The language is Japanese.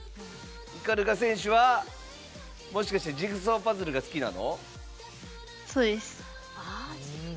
鵤選手は、もしかしてジグソーパズルが好きなの？